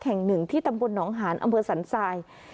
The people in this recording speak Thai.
แห่งหนึ่งที่ตำบลหนองหานอำเภอสันทราย